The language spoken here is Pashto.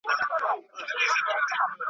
په تندي کي مو لیکلي د سپرلیو جنازې دي `